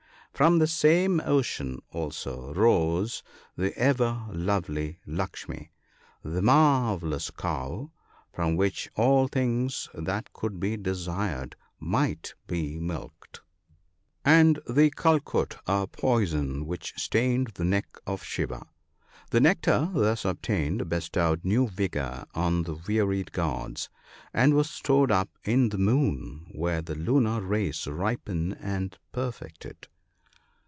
From the same ocean also rose the ever lovely Lukshmi — the marvellous cow, from which all things that could be desired might be milked — NOTES. 1 5 5 and the kalk&t, or poison which stained the neck of Shiva. The nectar thus obtained bestowed new vigour on the wearied gods, and was stored up in the moon, where the lunar rays ripen and perfect it.